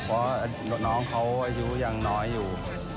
เพราะน้องเขาอายุยังน้อยอยู่